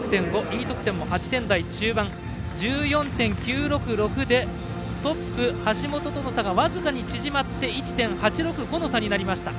Ｅ得点も８点台中盤。１４．９６６でトップ橋本との差が僅かに縮まって１．８６５の差になりました。